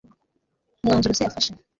kumwanzuro se yafashe